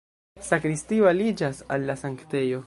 Sakristio aliĝas al la sanktejo.